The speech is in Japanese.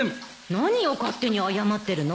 何を勝手に謝ってるの？